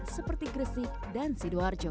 seperti gresik dan sidoarjo